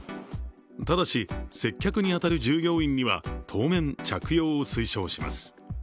ただし、接客に当たる従業員には当面、着用を推奨します。